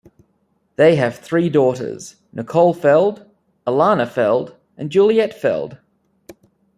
They have three daughters: Nicole Feld, Alana Feld, and Juliette Feld.